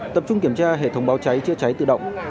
tập trung kiểm tra hệ thống báo cháy chữa cháy tự động